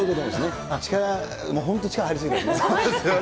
力、もう本当、力入り過ぎたよね。